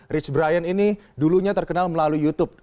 rich brian ini dulunya terkenal melalui youtube